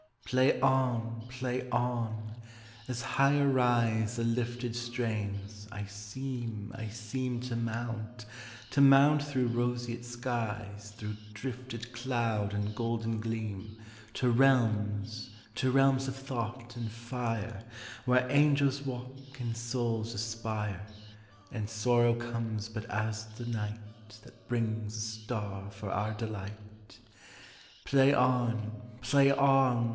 Play on! Play on! As higher riseThe lifted strains, I seem, I seemTo mount, to mount through roseate skies, Through drifted cloud and golden gleam, To realms, to realms of thought and fire, Where angels walk and souls aspire, And sorrow comes but as the nightThat brings a star for our delight. Play on! Play on!